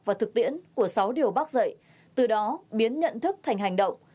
và thực tiễn của sáu điều bác dạy từ đó biến nhận thức thành hành động